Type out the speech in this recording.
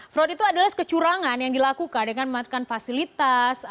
fraud itu adalah kecurangan yang dilakukan dengan mematikan fasilitas